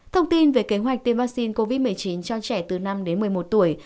thông tin về kế hoạch tiêm vaccine covid một mươi chín cho trẻ từ năm đến một mươi một tuổi